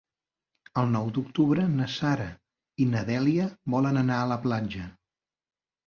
El nou d'octubre na Sara i na Dèlia volen anar a la platja.